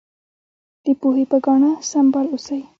د پوهې په ګاڼه سمبال اوسئ.